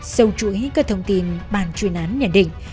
sâu chuỗi các thông tin bàn truyền án nhận định